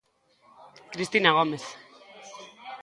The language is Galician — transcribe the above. Cristina Gómez.